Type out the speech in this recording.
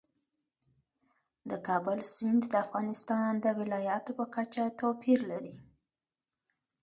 د کابل سیند د افغانستان د ولایاتو په کچه توپیر لري.